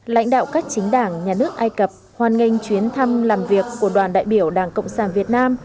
lãnh đạo các chính đảng nhà nước ai cập hoàn nghênh chuyến thăm làm việc của đoàn đại biểu đảng cộng sản việt nam